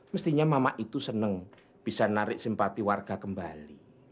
mestinya mama itu senang bisa narik simpati warga kembali